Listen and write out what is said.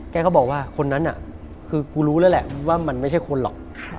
แกก็บอกว่าคนนั้นน่ะคือกูรู้แล้วแหละว่ามันไม่ใช่คนหรอก